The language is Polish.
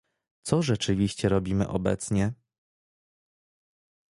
Co rzeczywiście robimy obecnie?